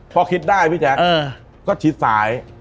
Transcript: พอคิดได้พี่แจ๊คก็ชิดซ้าย